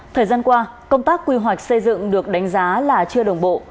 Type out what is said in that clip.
thời gian qua công tác quy hoạch xây dựng được đánh giá là chưa đồng bộ